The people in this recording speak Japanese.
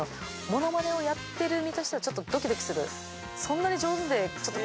モノマネをやってる身としてはちょっとドキドキする。